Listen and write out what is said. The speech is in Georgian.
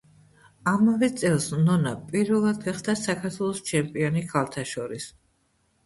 ამავე წელს ნონა პირველად გახდა საქართველოს ჩემპიონი ქალთა შორის.